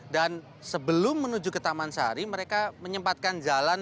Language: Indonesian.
dan sebelum menuju ke taman sari mereka menyempatkan jalan